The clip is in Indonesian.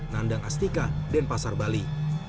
nandang astika denpasar bali